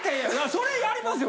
それやりますよ